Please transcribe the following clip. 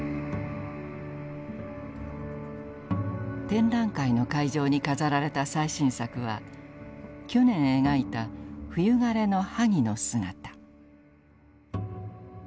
展覧会の会場に飾られた最新作は去年描いた「冬枯れの萩の姿」。